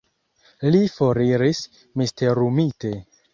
Li foriris, misterumite.